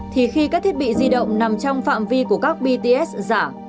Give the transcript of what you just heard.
thì khi các thiết bị di động nằm trong phạm vi của các bts giả